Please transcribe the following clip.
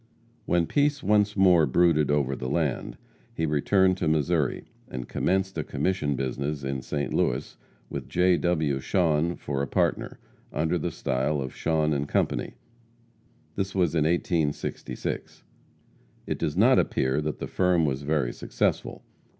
When peace once more brooded over the land, he returned to Missouri, and commenced a commission business in St. Louis, with J. W. Shawhan for a partner, under the style of Shawhan & Co. This was in 1866. It does not appear that the firm was very successful.